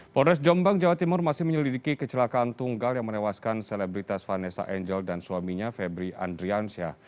polres jombang jawa timur masih menyelidiki kecelakaan tunggal yang menewaskan selebritas vanessa angel dan suaminya febri andriansyah